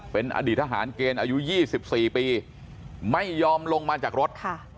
เป็นอดีตทหารเกณฑ์อายุ๒๔ปีไม่ยอมลงมาจากรถ